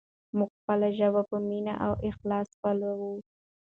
موږ خپله ژبه په مینه او اخلاص پالو.